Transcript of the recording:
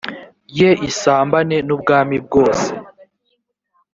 ye isambane n ubwami bwose